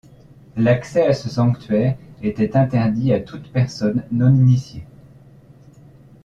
L'accès à ce sanctuaire était interdit à toute personne non initiée.